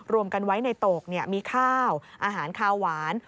รวมกันไว้ในโตกมีข้าวอาหารคาวหวาน